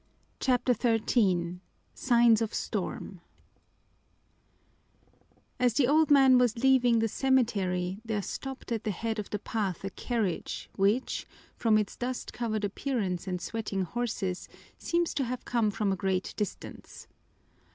CHAPTER XIII Signs of Storm As the old man was leaving the cemetery there stopped at the head of the path a carriage which, from its dust covered appearance and sweating horses, seemed to have come from a great distance.